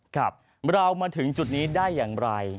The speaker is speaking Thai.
ครับเรามาถึงจุดนี้ได้อย่างไร